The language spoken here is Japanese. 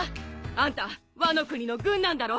あんたワノ国の軍なんだろ！？